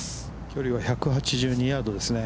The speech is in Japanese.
距離は１８２ヤードですね。